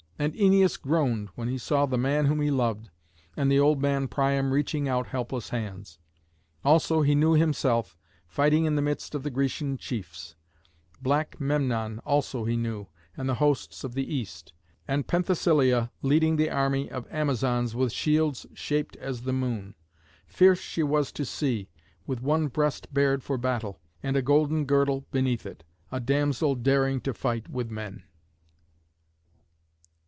And Æneas groaned when he saw the man whom he loved, and the old man Priam reaching out helpless hands. Also he knew himself, fighting in the midst of the Grecian chiefs; black Memnon also he knew, and the hosts of the East; and Penthesilea leading the army of the Amazons with shields shaped as the moon. Fierce she was to see, with one breast bared for battle, and a golden girdle beneath it, a damsel daring to fight with men.